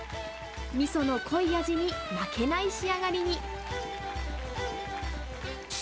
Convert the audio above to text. みその濃い味に負けない仕上がりに。